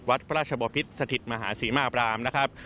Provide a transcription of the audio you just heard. วัดพระราชบพิษสถิตมหาศรีมาบรามนะครับ